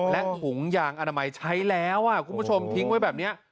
และถุงยางอนามัยใช้แล้วคุณผู้ชมทิ้งไว้แบบนี้